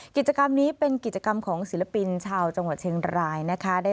กิจกรรมนี้เป็นกิจกรรมของศิลปินชาวจังหวัดเชียงรายนะคะ